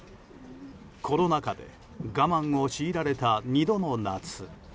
コロナ禍で我慢を強いられた２度の夏。